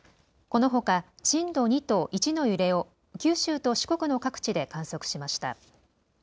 このほか震度２と１の揺れを九州と四国の各地で観測しました。